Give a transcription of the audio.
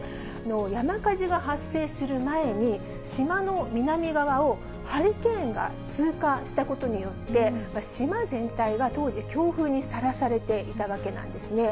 山火事が発生する前に、島の南側をハリケーンが通過したことによって、島全体が当時、強風にさらされていたわけなんですね。